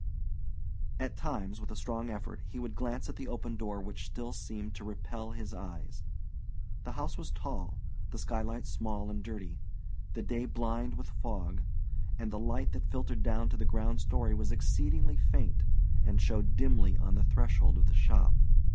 At times, with a strong effort, he would glance at the open door which still seemed to repel his eyes. The house was tall, the skylight small and dirty, the day blind with fog; and the light that filtered down to the ground story was exceedingly faint, and showed dimly on the threshold of the shop.